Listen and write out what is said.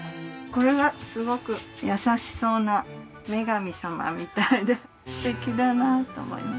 これがすごく優しそうな女神様みたいで素敵だなと思います。